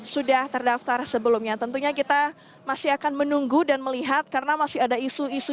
sudah terdaftar sebelumnya tentunya kita masih akan menunggu dan melihat karena masih ada isu isu